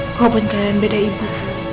walaupun kalian beda ibu